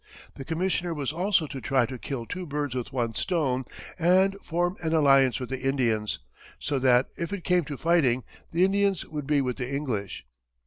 The commissioner was also to try to kill two birds with one stone and form an alliance with the Indians, so that, if it came to fighting, the Indians would be with the English.